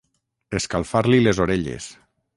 Escalfar-li les orelles.